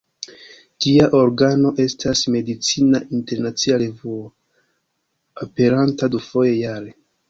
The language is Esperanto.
Ĝia organo estas "Medicina Internacia Revuo", aperanta dufoje jare.